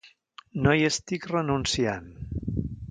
No hi estic renunciant.